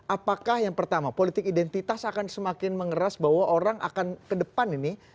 apakah yang pertama politik identitas akan semakin mengeras bahwa orang akan ke depan ini